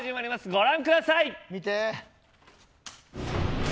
ご覧ください。